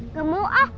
nggak mau ah